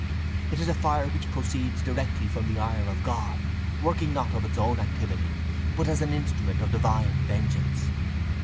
It is a fire which proceeds directly from the ire of God, working not of its own activity but as an instrument of divine vengeance.